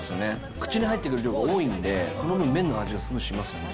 口に入ってくる量が多いんで、その分、麺の味がすごいしますよね。